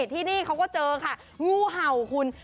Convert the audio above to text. ที่นี่เขาก็เจอค่ะงูเห่าคุณ